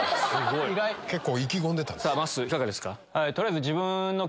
まっすーいかがですか？